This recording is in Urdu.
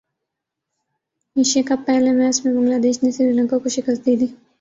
ایشیا کپ پہلے میچ میں بنگلہ دیش نے سری لنکا کو شکست دیدی